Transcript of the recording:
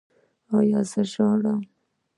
ایا زه ژاړم؟